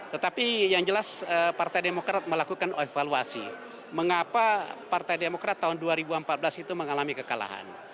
tetapi yang jelas partai demokrat melakukan evaluasi mengapa partai demokrat tahun dua ribu empat belas itu mengalami kekalahan